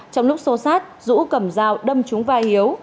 trong lúc xô sát dũ cầm dao đâm chúng vai hiếu